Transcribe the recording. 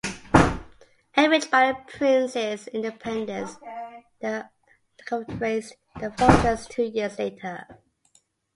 Enraged by the prince's independence, the Novgorodians razed the fortress two years later.